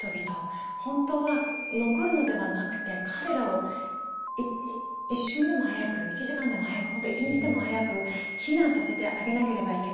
本当は残るのではなくて彼らを一瞬でも早く１時間でも早く本当１日でも早く避難させてあげなければいけないのに。